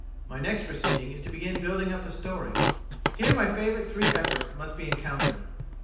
My next proceeding is to begin building up the story. Here my favourite three efforts must be encountered.